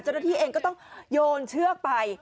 เจ้าหน้าที่เองก็ต้องโยนเชือกไป